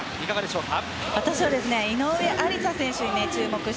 私は井上愛里沙選手に注目です。